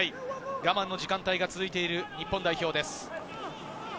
我慢の時間帯が続いている日本代表です。